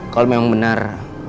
kalau memang benar